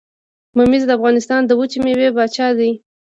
ممیز د افغانستان د وچې میوې پاچا دي.